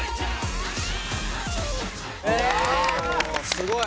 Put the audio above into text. すごい。